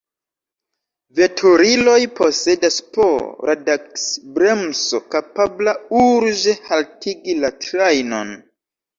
Veturiloj posedas po radaks-bremso, kapabla urĝe haltigi la trajnon.